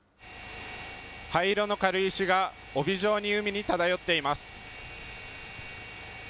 灰色の軽石が帯状に海に漂っています。